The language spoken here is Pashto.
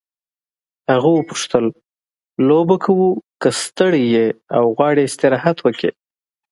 هغه وپوښتل لوبه کوو که ستړی یې او غواړې استراحت وکړې.